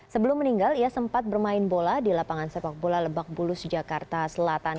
sebelum meninggal ia sempat bermain bola di lapangan sepak bola lebak bulus jakarta selatan